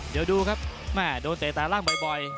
เดี๋ยวดูครับโดนแตะตัดล่างบ่อย